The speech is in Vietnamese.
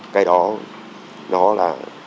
cái đó nó là